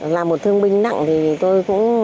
là một thương binh nặng thì tôi cũng